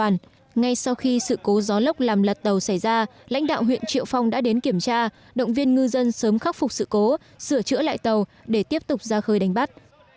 ngay sau khi sự cố gió lốc làm lật tàu xảy ra lãnh đạo huyện triệu phong đã đến kiểm tra động viên ngư dân sớm khắc phục sự cố sửa chữa lại tàu để tiếp tục ra khơi đánh bắt